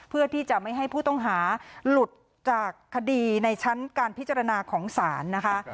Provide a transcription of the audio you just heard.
เพื่อที่จะไม่ให้ผู้ต้องหาหลุดจากคดีในชั้นการพิจารณาของศาลนะคะ